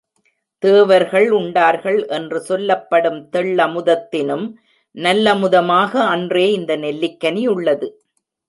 தேவர்கள் உண்டார்கள் என்று சொல்லப்படும் தெள்ளமுதத்தினும் நல்லமுதமாக அன்றே இந்த நெல்லிக்கனியுள்ளது!